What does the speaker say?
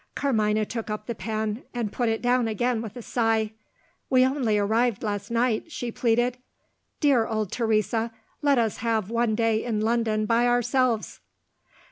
Carmina took up the pen, and put it down again with a sigh. "We only arrived last night," she pleaded. "Dear old Teresa, let us have one day in London by ourselves!"